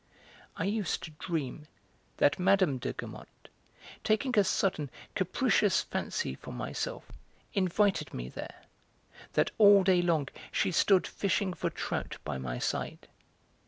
I used to dream that Mme. de Guermantes, taking a sudden capricious fancy for myself, invited me there, that all day long she stood fishing for trout by my side.